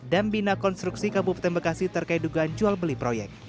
dan bina konstruksi kabupaten bekasi terkait dugaan jual beli proyek